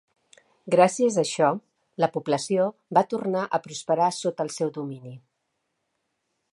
Gràcies a això, la població va tornar a prosperar sota el seu domini.